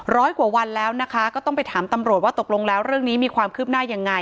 ร้อยกว่าวันแล้วนะคะก็ต้องไปถามตำรวจว่าตกลงแล้วเรื่องนี้มีความคืบหน้ายังไง